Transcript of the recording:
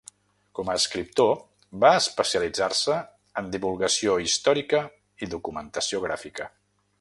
Com a escriptor, va especialitzar-se en divulgació històrica i documentació gràfica.